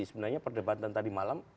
sebenarnya perdebatan tadi malam